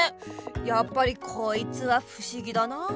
やっぱりこいつはふしぎだなあ。